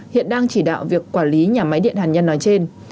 hiện đang chỉ đạo việc quản lý nhà máy điện hàn nhân nói trên